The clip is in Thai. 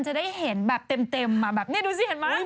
จะได้เห็นแบบเต็มอ่ะแบบนี้ดูสิเห็นไหม